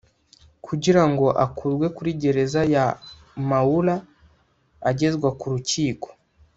kugira ngo akurwe kuri Gereza ya Maula agezwa ku rukiko